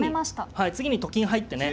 はい次にと金入ってね